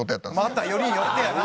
またよりによってやな。